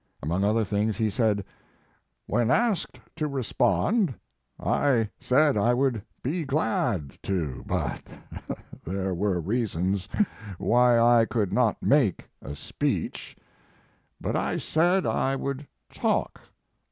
Among other things he said: "When asked to respond, I said I would be glad to, but there were reasons why I could not make a speech. But I said I would talk.